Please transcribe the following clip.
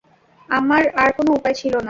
আমার আর কোন উপায় ছিল না।